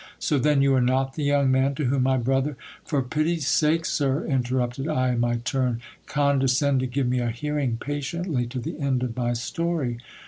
So then ! you are not the young man to whom my brother For pity's sake, sir, interrupted I in my lurn, con descend to give me a hearing patiently to the end of my story.